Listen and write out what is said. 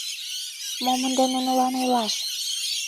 Мом ынде нунылан ойлаш?